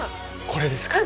これですか？